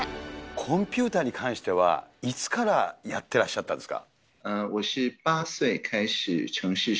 コンピューターに関しては、いつからやってらっしゃったんですか？